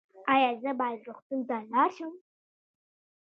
ایا زه باید روغتون ته لاړ شم؟